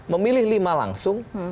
memilih lima langsung